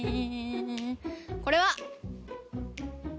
これは。